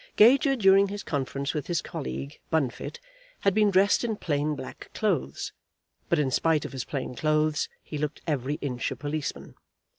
Gager, during his conference with his colleague Bunfit, had been dressed in plain black clothes; but in spite of his plain clothes he looked every inch a policeman.